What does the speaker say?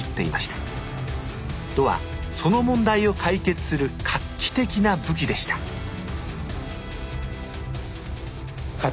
弩はその問題を解決する画期的な武器でしたそうですよね。